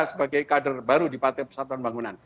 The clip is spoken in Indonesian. sebagai kader baru di partai persatuan bangunan